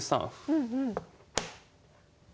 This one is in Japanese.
うんうん。